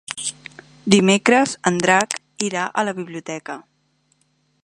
Dimecres en Drac irà a la biblioteca.